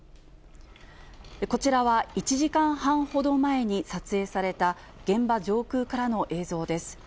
こちらは１時間半ほど前に撮影された現場上空からの映像です。